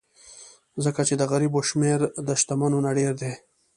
ځکه چې د غریبو شمېر د شتمنو نه ډېر دی.